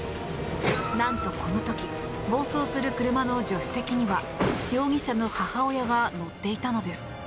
なんとこの時暴走する車の助手席には容疑者の母親が乗っていたのです。